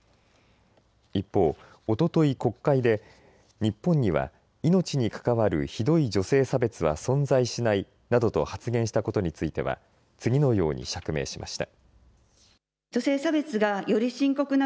一方、おととい国会で日本には命に関わるひどい女性差別は存在しないなどと発言したことについては次のように釈明しました。